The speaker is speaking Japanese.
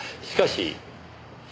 しかし。